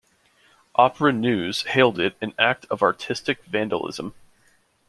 "Opera News" hailed it "an act of artistic vandalism".